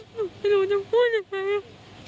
หนูไม่รู้จะพูดอย่างไรนะ